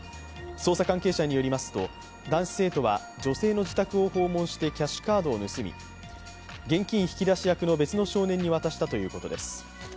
捜査関係者によりますと男子生徒は女性の自宅を訪問しキャッシュカードを盗み現金引き出し役の別の少年に渡したということです。